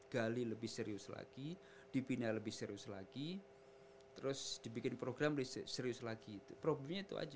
gali lebih serius lagi dibina lebih serius lagi terus dibikin program serius lagi itu problemnya itu aja